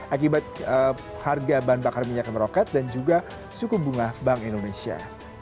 akibat harga bahan bakar minyak roket dan juga suku bunga bank indonesia